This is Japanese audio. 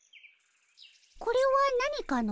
これは何かの？